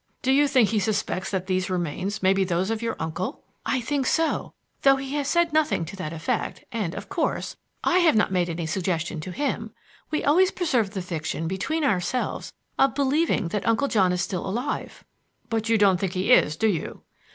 "Do you think he suspects that these remains may be those of your uncle?" "I think so, though he has said nothing to that effect and, of course, I have not made any suggestion to him. We always preserve the fiction between ourselves of believing that Uncle John is still alive." "But you don't think he is, do you?"